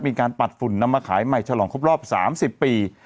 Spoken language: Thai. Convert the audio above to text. ปัดฝุ่นนำมาขายใหม่ฉลองครบรอบ๓๐ปี